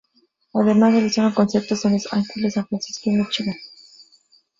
Además realizaron conciertos en Los Ángeles, San Francisco, y Michigan.